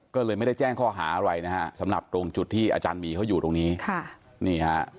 ก็เลยไม่ได้แจ้งข้อหาอะไรสำหรับโรงจุดที่อาจารย์มีอยู่ตรงนี้